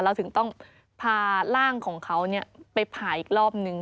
เราถึงต้องพาร่างของเขาไปผ่าอีกรอบนึง